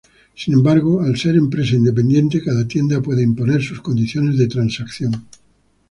Sin embargo, al ser empresas independientes, cada tienda puede imponer sus condiciones de transacción.